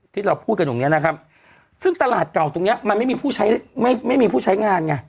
ที่เราพูดกันอย่างนี้นะครับซึ่งตลาดเก่ามันไม่มีผู้ใช้งาน